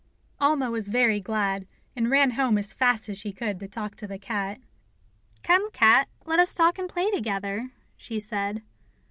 Alma was very glad, and ran home as fast as she could to talk to the cat. "Come, cat, let us talk and play together," she said.